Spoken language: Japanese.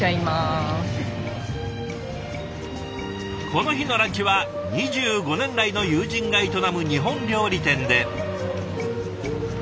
この日のランチは２５年来の友人が営む日本料理店で。